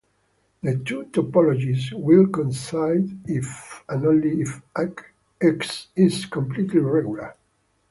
The two topologies will coincide if and only if "X" is completely regular.